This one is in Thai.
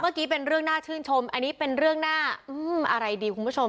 เมื่อกี้เป็นเรื่องน่าชื่นชมอันนี้เป็นเรื่องน่าอืมอะไรดีคุณผู้ชม